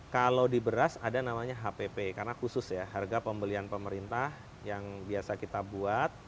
kalau di beras ada namanya hpp karena khusus ya harga pembelian pemerintah yang biasa kita buat